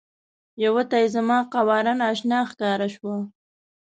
یوه ته یې زما قواره نا اشنا ښکاره شوه.